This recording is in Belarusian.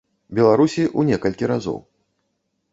Беларусі, у некалькі разоў.